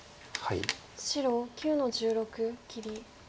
白９の十六切り。